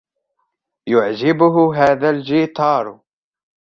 يعجبه هذا الجيتار.